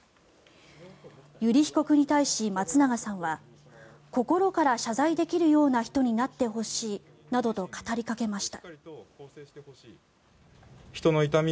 油利被告に対し、松永さんは心から謝罪できるような人になってほしいなどと語りかけました。